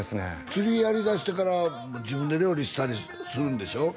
釣りやりだしてから自分で料理したりするんでしょ？